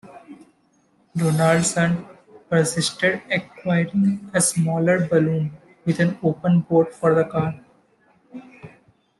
Donaldson persisted, acquiring a smaller balloon with an open boat for the car.